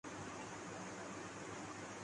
درپیش قضیے کا تعلق رویے سے ہے۔